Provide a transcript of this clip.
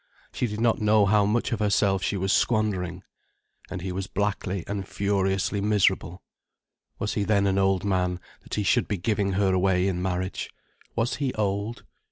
She did not know how much of herself she was squandering. And he was blackly and furiously miserable. Was he then an old man, that he should be giving her away in marriage? Was he old?